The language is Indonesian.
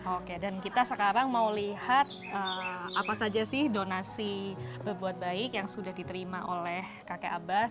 oke dan kita sekarang mau lihat apa saja sih donasi berbuat baik yang sudah diterima oleh kakek abbas